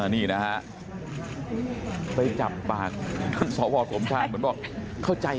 นี่นะฮะไปจับปากท่านสวสมชายเหมือนบอกเข้าใจ